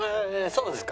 そうですか。